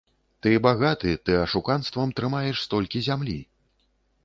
Ты багаты, ты ашуканствам трымаеш столькі зямлі.